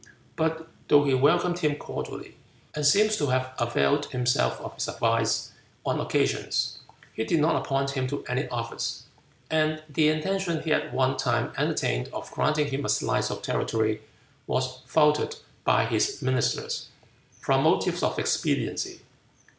But though he welcomed him cordially, and seems to have availed himself of his advice on occasions, he did not appoint him to any office, and the intention he at one time entertained of granting him a slice of territory was thwarted by his ministers, from motives of expediency.